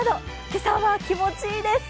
今朝は気持ちいいです。